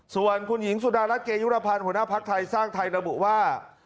ส่วนคุณหญิงสุดารัฐเกยุรพันธ์หัวหน้าภักดิ์ไทยสร้างไทยระบุว่า